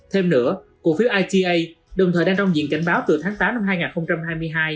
thêm nữa cổ phiếu ita đồng thời đang trong diện cảnh báo từ tháng tám năm hai nghìn hai mươi hai